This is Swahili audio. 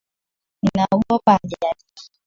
Ninaogopa ajali.